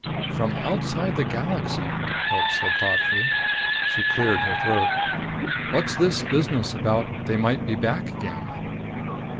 "From outside the galaxy!" Pilch said thoughtfully. She cleared her throat. "What's this business about they might be back again?"